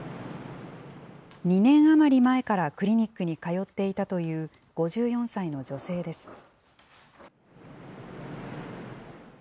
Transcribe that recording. ２年余り前からクリニックに通っていたという５４歳の女性です。